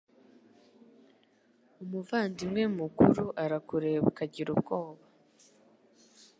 Umuvandimwe Mukuru arakureba ukagira ubwoba